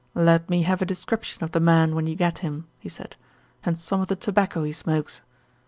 "Let me have a description of the man when you get him," he said, "and some of the tobacco he smokes.